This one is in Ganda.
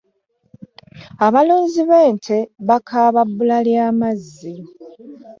Abalunzi b'ente bakaaba bbula lya mazzi.